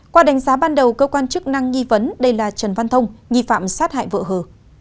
qua đánh giá ban đầu cơ quan chức năng nghi vấn đây là trần văn thông nghi phạm sát hại vợ hờ